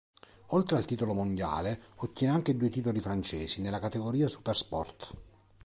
Oltre al titolo mondiale, ottiene anche due titoli francesi nella categoria Supersport.